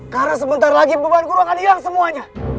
karena sebentar lagi beban guru akan hilang semuanya